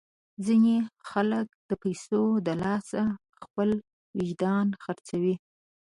ځینې خلک د پیسو د لاسه خپل وجدان خرڅوي.